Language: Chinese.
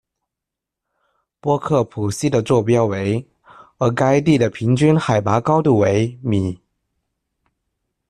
波克普西的座标为，而该地的平均海拔高度为米。